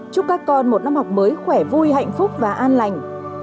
chúc các con một năm học mới khỏe vui hạnh phúc và an lành